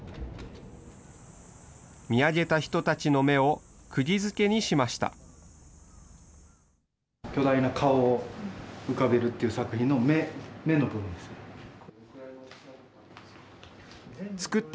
見上げた人たちの目をくぎづけにしました。